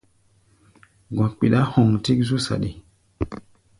Gɔ̧ kpiɗá hoŋ tík zú saɗi.